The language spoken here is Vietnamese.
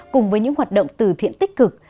cùng với những hoạt động từ thiện tích cực